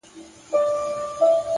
د حقیقت منل وجدان سپکوي.!